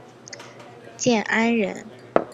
建安人。